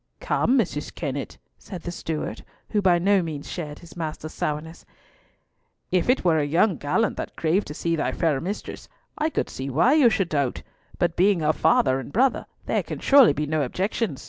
"Come, Mrs. Kennett," said the steward, who by no means shared his master's sourness, "if it were a young gallant that craved to see thy fair mistress, I could see why you should doubt, but being her father and brother, there can surely be no objection."